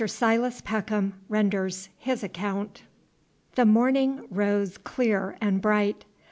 SILAS PECKHAM RENDERS HIS ACCOUNT. The morning rose clear and bright.